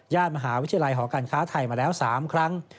มหาวิทยาลัยหอการค้าไทยมาแล้ว๓ครั้ง